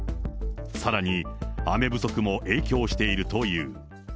さらに雨不足も影響しているという。